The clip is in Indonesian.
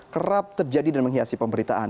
kerap terjadi dan menghiasi pemberitaan